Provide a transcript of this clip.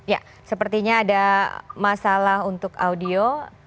ya sepertinya ada masalah untuk audio